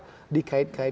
berbeda dengan obor rakyat